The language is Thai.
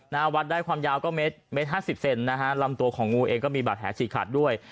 วัดได้ความยาวก็เมตรห้าสิบเซนนะฮะลำตัวของงูเองก็มีบาดแผลฉีกขาดด้วย